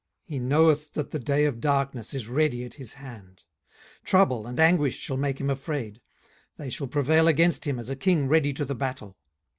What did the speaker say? he knoweth that the day of darkness is ready at his hand. 18:015:024 Trouble and anguish shall make him afraid; they shall prevail against him, as a king ready to the battle.